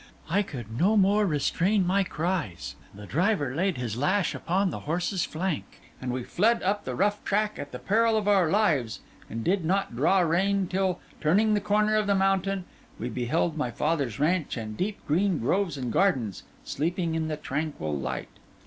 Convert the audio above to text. I could no more restrain my cries; the driver laid his lash about the horse's flank, and we fled up the rough track at the peril of our lives; and did not draw rein till, turning the corner of the mountain, we beheld my father's ranch and deep, green groves and gardens, sleeping in the tranquil light.